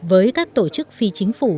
với các tổ chức phi chính phủ